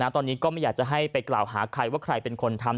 ตอนนี้ก็ไม่อยากจะให้ไปกล่าวหาใครว่าใครเป็นคนทำ